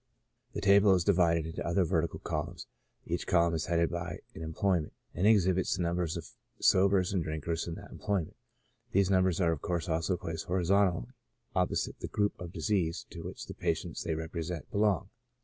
The table is divided into other vertical col umns ; each column is headed by an employment, and exhibits the numbers of sobers and drinkers in that employ ment ; these numbers are of course also placed horizontally opposite the group of disease to which the patients they represent belong.